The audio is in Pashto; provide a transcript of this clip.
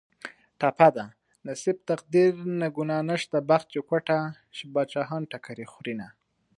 ټپه ده: نصیب تقدیر نه ګناه نشته بخت چې کوټه شي بادشاهان ټکرې خورینه